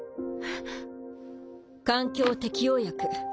南）環境適応薬